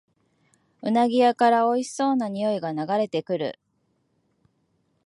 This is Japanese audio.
うなぎ屋からおいしそうなにおいが流れてくる